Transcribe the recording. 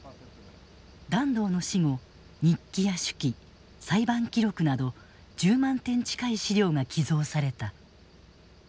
團藤の死後日記や手記裁判記録など１０万点近い資料が寄贈された。